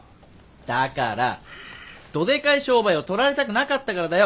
だからどでかい商売を取られたくなかったからだよ。